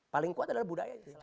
paling kuat adalah budayanya